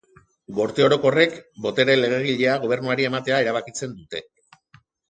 Gorte Orokorrek, botere legegilea Gobernuari ematea erabakitzen dute.